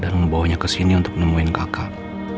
dan membawanya kesini untuk nemuin kakak